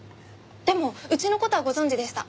でもうちの事はご存じでした。